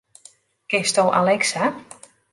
Kinsto Alexa?